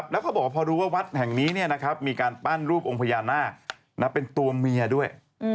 แล้วเขาบอกว่าพอรู้ว่าวัดแห่งนี้มีการปั้นรูปองค์พญานาคเป็นตัวเมียด้วย